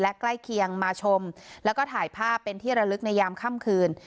และใกล้เคียงมาชมแล้วก็ถ่ายภาพเป็นที่ระลึกในยามค่ำคืน